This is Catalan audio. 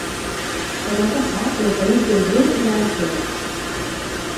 Demà passat na Tanit i en Bru iran a Cercs.